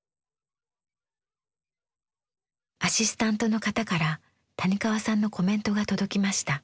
アシスタントの方から谷川さんのコメントが届きました。